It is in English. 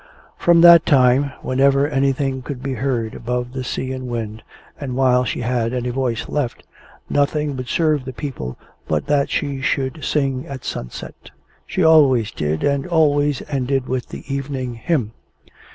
From that time, whenever anything could be heard above the sea and wind, and while she had any voice left, nothing would serve the people but that she should sing at sunset. She always did, and always ended with the Evening Hymn.